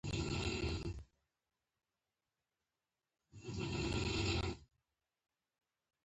فرانسس یو پولیسي دولت جوړ کړی و.